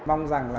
mong rằng là